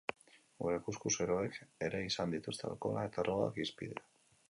Gure kuxkuxeroek ere izan dituzte alkohola eta drogak hizpide.